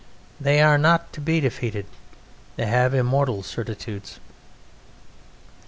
They are not to be defeated, they have immortal certitudes.